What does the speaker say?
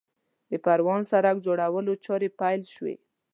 د پروان سړک جوړولو چارې پیل شوې